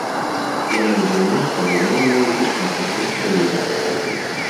Яно даўно стала нормай у шматлікіх краінах.